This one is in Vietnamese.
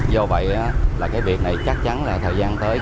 do vậy là cái việc này chắc chắn là thời gian tới